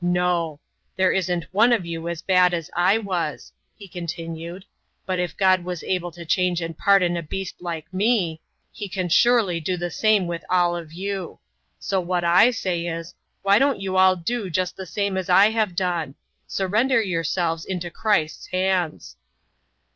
No! There isn't one of you as bad as I was," he continued, "but if God was able to change and pardon a beast like me, He can surely do the same with all of you. So what I say is, why don't you all do just the same as I've done? Surrender yourselves into Christ's hands!"